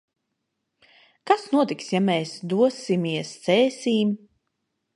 Kas notiks, ja mēs dosimies Cēsīm?